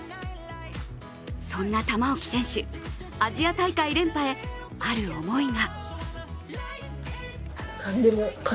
そんな玉置選手、アジア大会連覇へある思いが。